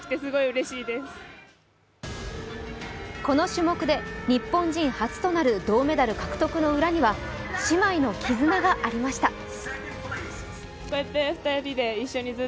この種目で日本人初となる銅メダル獲得の裏には姉妹の絆がありました。